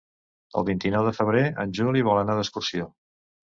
El vint-i-nou de febrer en Juli vol anar d'excursió.